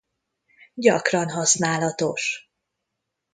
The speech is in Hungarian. Gyakran használatos.